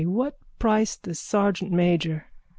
What price the sergeantmajor?